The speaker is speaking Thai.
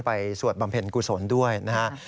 สวดบำเพ็ญกุศลด้วยนะครับ